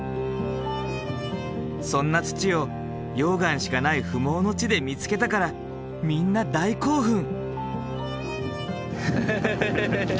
そんな土を溶岩しかない不毛の地で見つけたからみんな大興奮。